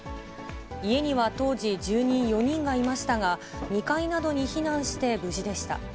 家には当時、住人４人がいましたが、２階などに避難して無事でした。